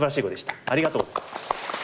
ありがとう。